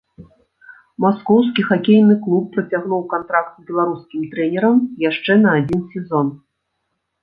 Маскоўскі хакейны клуб працягнуў кантракт з беларускім трэнерам яшчэ на адзін сезон.